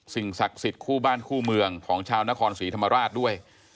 ศักดิ์สิทธิ์คู่บ้านคู่เมืองของชาวนครศรีธรรมราชด้วย